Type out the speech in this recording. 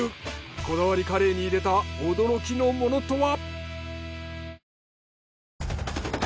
こだわりカレーに入れた驚きのものとは！？